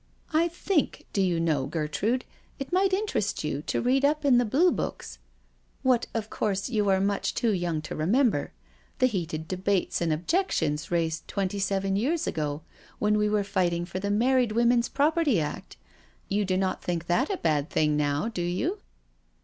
" I think, do you know, Gertrude, it might interest you to read up in the Blue Books — what, of course, you are much too young to remember — the heated debates and objections raised twenty seven years ago, when we were fighting for the Married Women's Property Act. You don't think that a bad thing now, do you?"